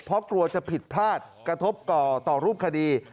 เพราะกลัวจะผิดพลาดกระทบต่อต่อรูปคดี